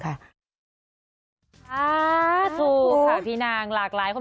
พระพุทธคือพระพุทธคือ